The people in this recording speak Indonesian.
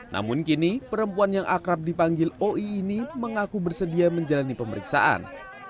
namun kini perempuan yang akrab dipanggil oi ini mengaku bersedia menjalani pemeriksaan